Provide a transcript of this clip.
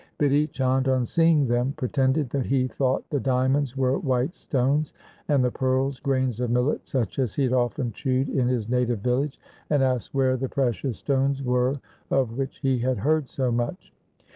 Bidhi Chand on seeing them pretended that he thought the diamonds were white stones, and the pearls grains of millet such as he had often chewed in his native village, and asked where the precious stones were of which he had heard so much.